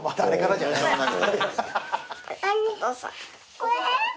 これ。